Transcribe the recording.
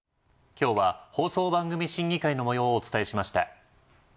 今日は放送番組審議会の模様をお伝えしました。